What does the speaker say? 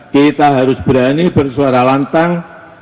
kita harus berani bersuara lantang